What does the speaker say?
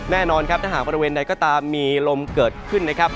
แน่นอนครับถ้าหากบริเวณใดก็ตามมีลมเกิดขึ้นนะครับ